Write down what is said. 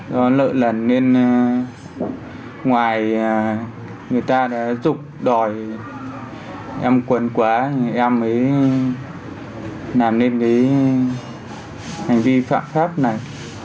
do lợi lần nên ngoài người ta đã dục đòi em quần quá thì em mới làm nên cái hành vi phạm pháp này